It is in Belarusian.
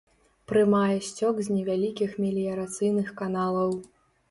Прымае сцёк з невялікіх меліярацыйных каналаў.